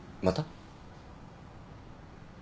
また？